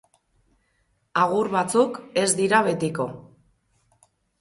Agur batzuk ez dira betiko.